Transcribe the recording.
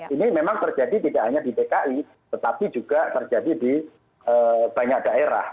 ini memang terjadi tidak hanya di dki tetapi juga terjadi di banyak daerah